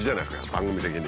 番組的に。